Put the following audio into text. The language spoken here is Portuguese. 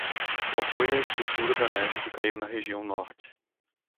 Qual foi a espessura da neve que caiu na região norte?